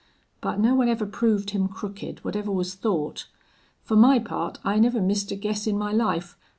But no one ever proved him crooked, whatever was thought. Fer my part, I never missed a guess in my life.